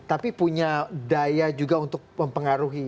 tapi punya daya juga untuk mempengaruhi